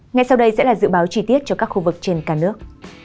ngay sau đây sẽ là dự báo chi tiết cho các khu vực trên cả nước